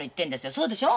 そうでしょ？